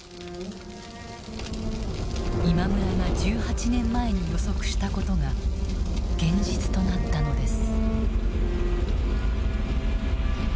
今村が１８年前に予測した事が現実となったのです。